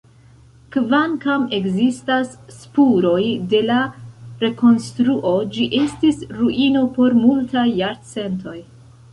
Kvankam ekzistas spuroj de la rekonstruo, ĝi estis ruino por multaj jarcentoj.